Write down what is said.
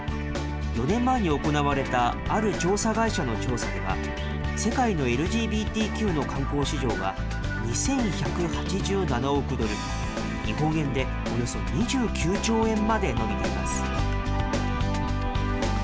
４年前に行われたある調査会社の調査では、世界のＬＧＢＴＱの観光市場は２１８７億ドル、日本円でおよそ２９兆円まで伸びています。